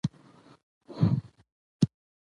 نو په خپله سفر نامه کې يې ولسي ادبيات هم راخلي